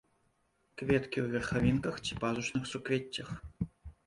Кветкі ў верхавінках ці пазушных суквеццях.